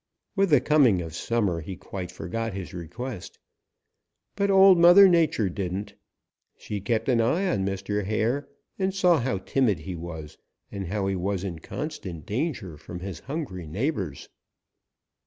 With the coming of summer he quite forgot his request. But Old Mother Nature didn't. She kept an eye on Mr. Hare and she saw how timid he was and how he was in constant danger from his hungry neighbors.